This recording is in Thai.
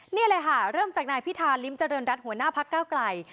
นี่เลยค่ะเริ่มจากนายพิธาริมเจริญรัฐหัวหน้าพักเก้าไกล